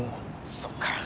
そっか。